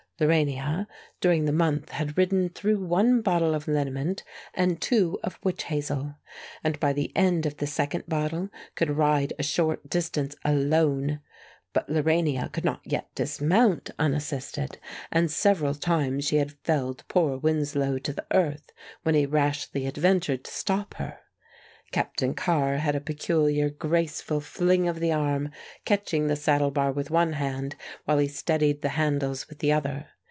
Lorania during the month had ridden through one bottle of liniment and two of witch hazel, and by the end of the second bottle could ride a short distance alone. But Lorania could not yet dismount unassisted, and several times she had felled poor Winslow to the earth when he rashly adventured to stop her. Captain Carr had a peculiar, graceful fling of the arm, catching the saddle bar with one hand while he steadied the handles with the other.